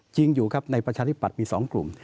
จริงอยู่ครับในประชาธิปัตย์มี๒กลุ่ม